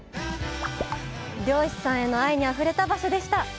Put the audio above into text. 漁師さんへの愛にあふれた場所でした！